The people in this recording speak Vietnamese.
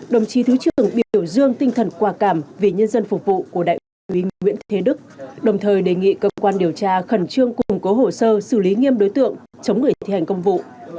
đồng chí thứ trưởng biểu dương tinh thần quả cảm vì nhân dân phục vụ của đại ủy nguyễn thế đức đồng thời đề nghị cơ quan điều tra khẩn trương củng cố hồ sơ xử lý nghiêm đối tượng chống người thi hành công vụ